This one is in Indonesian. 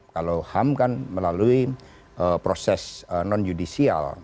kalau ham kan melalui proses non judicial